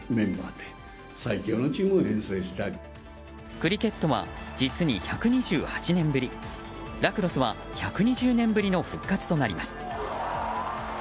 クリケットは実に１２８年ぶりラクロスは１２０年ぶりの復活となります。